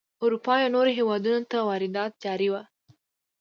اروپا یا نورو هېوادونو ته واردات جاري وو.